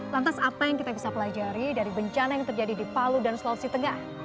lantas apa yang kita bisa pelajari dari bencana yang terjadi di palu dan sulawesi tengah